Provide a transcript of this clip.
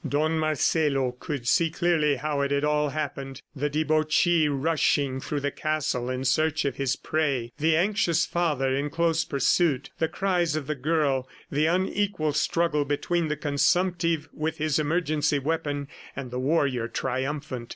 Don Marcelo could see clearly how it had all happened the debauchee rushing through the castle in search of his prey, the anxious father in close pursuit, the cries of the girl, the unequal struggle between the consumptive with his emergency weapon and the warrior triumphant.